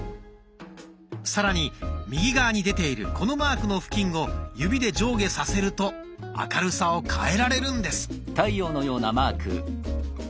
さらに右側に出ているこのマークの付近を指で上下させると明るさを変えられるんです。